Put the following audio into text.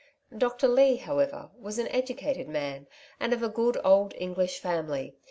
Dr. Leigh, however, was an educated man, and of a good old English family.